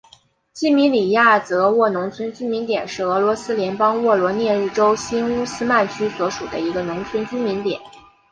季米里亚泽沃农村居民点是俄罗斯联邦沃罗涅日州新乌斯曼区所属的一个农村居民点。